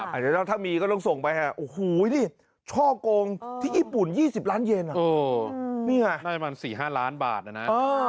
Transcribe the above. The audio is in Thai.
อาจจะต้องถ้ามีก็ต้องส่งไปฮะโอ้โหที่นี่ช่องโกงที่ญี่ปุ่น๒๐ล้านเยนอ่ะนี่ไงได้มัน๔๕ล้านบาทนะนะ